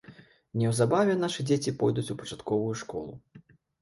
Неўзабаве нашы дзеці пойдуць у пачатковую школу.